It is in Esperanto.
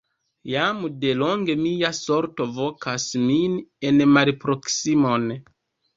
Jam de longe mia sorto vokas min en malproksimon!